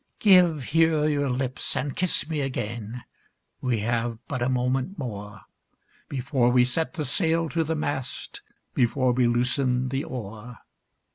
Give here your lips and kiss me again, we have but a moment more, Before we set the sail to the mast, before we loosen the oar.